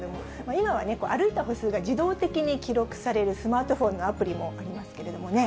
今はね、歩いた歩数が自動的に記録されるスマートフォンのアプリもありますけどね。